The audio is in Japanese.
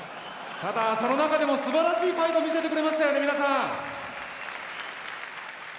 また、その中でも素晴らしいファイトを見せてくれましたよね、皆さん。